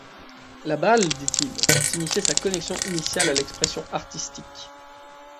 La balle, dit-il, signifiait sa connexion initiale à l'expression artistique.